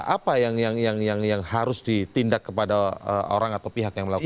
apa yang harus ditindak kepada orang atau pihak yang melakukan